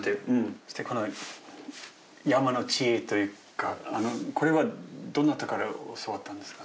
この山の知恵というかこれはどなたから教わったんですか？